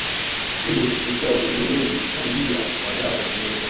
ili kufikiaUtegemezi bandia wa dawa za kulevya